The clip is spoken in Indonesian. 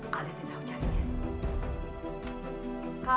kalian yang tau caranya